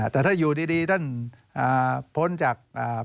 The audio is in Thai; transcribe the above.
แต่ถ้าอยู่ดีท่านพ้นจาก